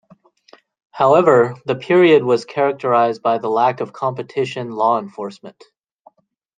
However, the period was characterized by the lack of competition law enforcement.